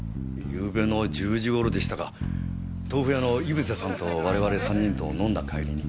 昨夜の１０時頃でしたか豆腐屋の井伏さんと我々３人と飲んだ帰りに。